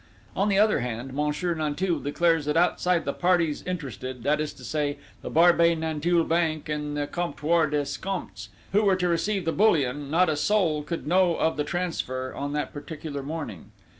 On the other hand, Monsieur Nanteuil declares that outside the parties interested, that is to say, the Barbey Nanteuil bank and the Comptoir d'Escomptes, who were to receive the bullion, not a soul could know of the transfer on that particular morning.